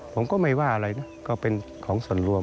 ผมก็ไม่ว่าอะไรนะก็เป็นของส่วนรวม